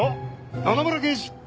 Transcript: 野々村刑事！